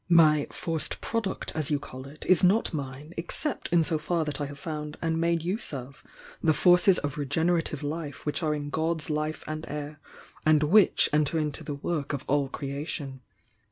"My 'forced product' as you call it, is not mine, except in so far that I have found and made use of tiie forces of regenerative life which are in God's life and air and which enter into the work of all creation.